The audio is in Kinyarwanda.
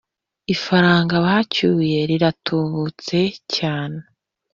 Ifaranga bacyuye rira tubutse cyane